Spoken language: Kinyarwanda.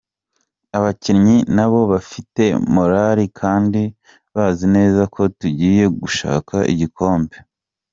Abakinnyi na bo bafite morali kandi bazi neza ko tugiye gushaka igikombe.